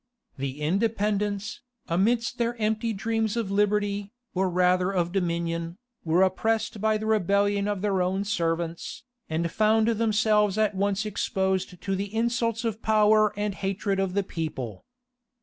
The Independents, amidst their empty dreams of liberty, or rather of dominion, were oppressed by the rebellion of their own servants, and found themselves at once exposed to the insults of power and hatred of the people.